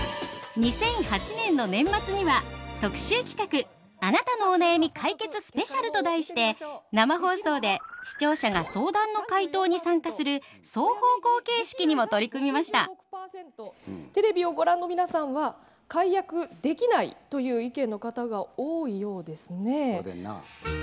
２００８年の年末には特集企画「あなたのお悩み解決スペシャル」と題して生放送で視聴者が相談の回答に参加する双方向形式にも取り組みましたテレビをご覧の皆さんは「解約できない」という意見の方が多いようですね。